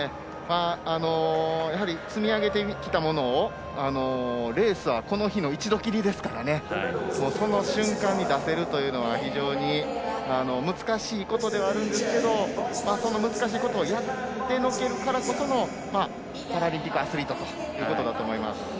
積み上げてきたものをレースは、この日きりですからねその瞬間に出せるというのは非常に難しいことではあるんですけどその難しいことをやってのけるからこそのパラリンピックアスリートということだと思います。